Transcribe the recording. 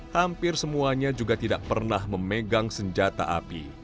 hampir semuanya juga tidak pernah memegang senjata api